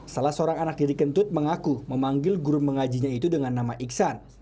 salah seorang anak didik kentut mengaku memanggil guru mengajinya itu dengan nama iksan